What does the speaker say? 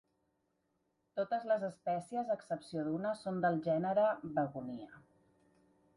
Totes les espècies, a excepció d'una, són del gènere "Begonia".